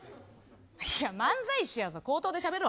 いやいや、漫才師やぞ口頭でしゃべるぞ。